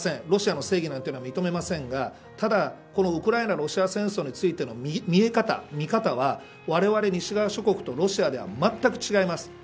ロシアの正義なんて認めませんがただ、このウクライナロシア戦争についての見え方はわれわれ西側諸国とロシアではまったく違います。